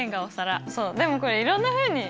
でもこれいろんなふうに見える。